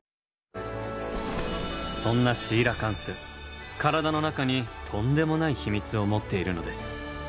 そんなシーラカンス体の中にとんでもない秘密を持っているのです。